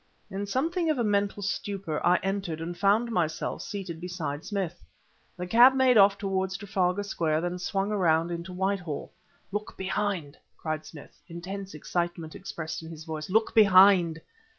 In something of a mental stupor I entered and found myself seated beside Smith. The cab made off towards Trafalgar Square, then swung around into Whitehall. "Look behind!" cried Smith, intense excitement expressed in his voice "look behind!"